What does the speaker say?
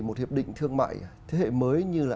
một hiệp định thương mại thế hệ mới như là